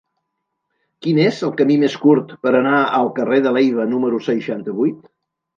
Quin és el camí més curt per anar al carrer de Leiva número seixanta-vuit?